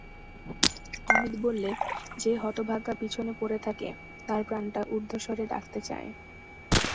অমিত বললে, যে হতভাগা পিছনে পড়ে থাকে তার প্রাণটা ঊর্ধ্বস্বরে ডাকতে চায়।